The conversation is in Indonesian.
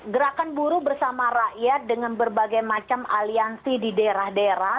gerakan buruh bersama rakyat dengan berbagai macam aliansi di daerah daerah